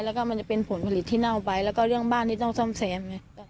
แล้วก็มันจะเป็นผลผลิตที่เน่าไปแล้วก็เรื่องบ้านที่ต้องซ่อมแซมไง